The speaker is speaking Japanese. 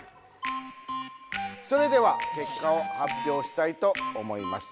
それでは結果を発表したいと思います。